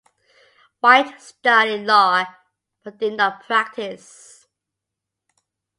White studied law but did not practice.